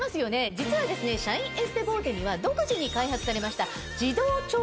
実はシャインエステボーテには独自に開発されました。